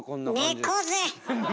猫背！